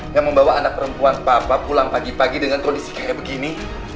yang membawa anak perempuan papa pulang pagi pagi dengan kondisi kayak begini